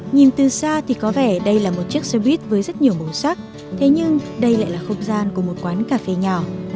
nhìn từ xa thì có vẻ đây là một chiếc xe buýt với rất nhiều màu sắc thế nhưng đây lại là không gian của một quán cà phê nhỏ